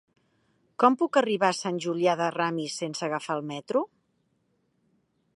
Com puc arribar a Sant Julià de Ramis sense agafar el metro?